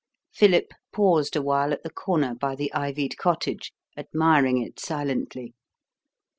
Philip paused a while at the corner, by the ivied cottage, admiring it silently.